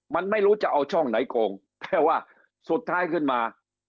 มันไม่รู้จะเอาช่องไหนโกงแต่ว่าสุดท้ายขึ้นมา